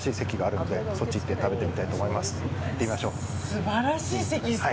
素晴らしい席ですか。